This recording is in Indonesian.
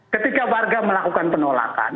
ketika warga melakukan penolakan